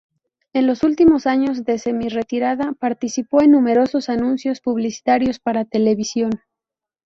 En los últimos años de semi-retirada, participó en numerosos anuncios publicitarios para televisión.